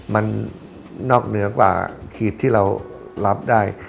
มันนอกเหนือกว่าขีดที่เรารับได้